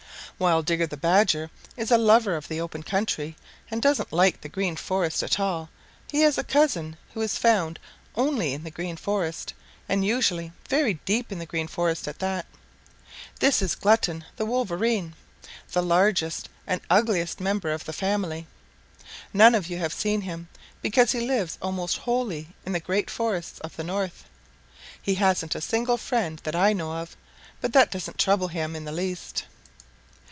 "While Digger the Badger is a lover of the open country and doesn't like the Green Forest at all he has a cousin who is found only in the Green Forest and usually very deep in the Green Forest at that. This is Glutton the Wolverine, the largest and ugliest member of the family. None of you have seen him, because he lives almost wholly in the great forests of the North. He hasn't a single friend that I know of, but that doesn't trouble him in the least.